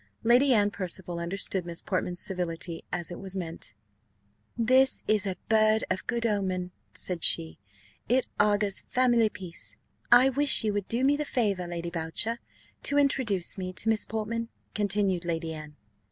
Lady Anne Percival understood Miss Portman's civility as it was meant. "This is a bird of good omen," said she; "it augurs family peace." "I wish you would do me the favour, Lady Boucher, to introduce me to Miss Portman," continued Lady Anne.